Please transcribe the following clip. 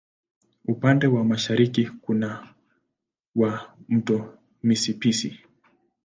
Upande wa mashariki kuna wa Mto Mississippi.